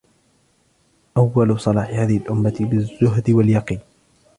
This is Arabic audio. أَوَّلُ صَلَاحِ هَذِهِ الْأُمَّةِ بِالزُّهْدِ وَالْيَقِينِ